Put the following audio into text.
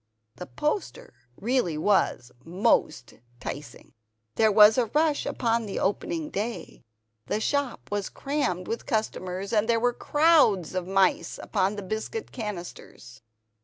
The poster really was most 'ticing. There was a rush upon the opening day. The shop was crammed with customers, and there were crowds of mice upon the biscuit cannisters.